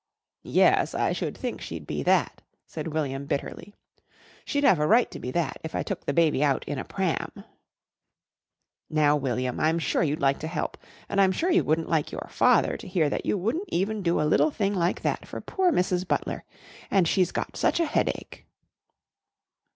"Yes, I should think she'd be that," said William bitterly. "She'd have a right to be that if I took the baby out in a pram." "Now, William, I'm sure you'd like to help, and I'm sure you wouldn't like your father to hear that you wouldn't even do a little thing like that for poor Mrs. Butler. And she's got such a headache."